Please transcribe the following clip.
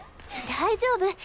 大丈夫！